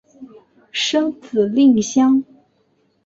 生子令香。